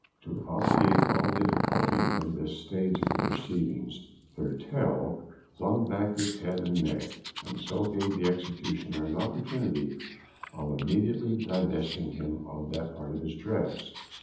To obviate all difficulty in this stage of the proceedings, Thurtell flung back his head and neck, and so gave the executioner an opportunity of immediately divesting him of that part of his dress.